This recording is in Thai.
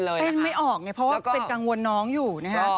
เต้นไม่ออกไงเพราะว่าเป็นกังวลน้องอยู่นะครับ